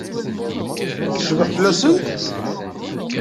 Tecbeḥ fell-asent?